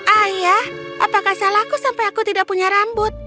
ayah apakah salahku sampai aku tidak punya rambut